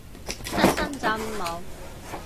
得深圳冇